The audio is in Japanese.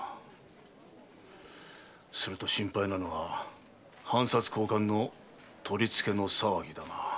すると心配なのは藩札交換の取り付けの騒ぎだな。